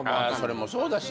それもそうだし。